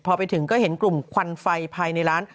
พอไปถึงก็เห็นกลุ่มควันไฟภายในร้าน